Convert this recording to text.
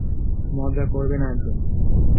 মজা করবে না একদম।